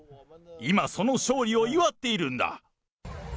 今、その勝利を祝っているんだ。